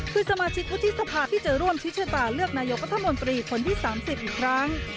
คือสมาชิกวุฒิสภาที่จะร่วมชิดชะตาเลือกนายกรัฐมนตรีคนที่๓๐อีกครั้ง